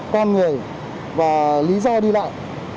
con người và lý do đi lại